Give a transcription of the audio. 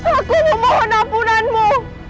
aku memohon ampunanmu